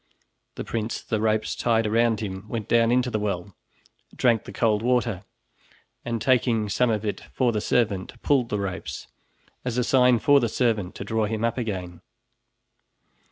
The prince, the ropes tied around him, went down into the well, drank the cold water, and taking some of it for the servant, pulled the ropes, as a sign for the servant to draw him up again.